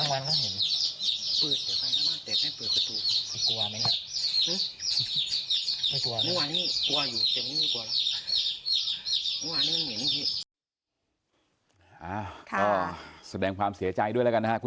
เมื่อวานนี้กลัวอยู่